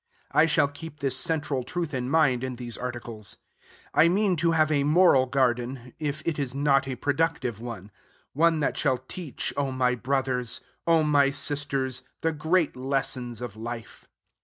I shall keep this central truth in mind in these articles. I mean to have a moral garden, if it is not a productive one, one that shall teach, O my brothers! O my sisters! the great lessons of life.